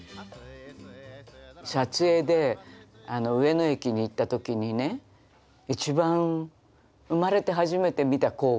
撮影で上野駅に行った時にね一番生まれて初めて見た光景。